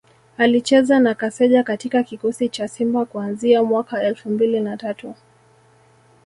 Alicheza na Kaseja katika kikosi cha Simba kuanzia mwaka elfu mbili na tatu